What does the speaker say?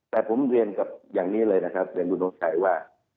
แต่ผมเรียนกับอย่างนี้เลยนะครับเดี๋ยวนุทย์ใช้ว่า